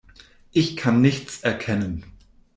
Ich kann nichts erkennen.